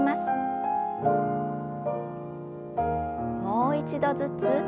もう一度ずつ。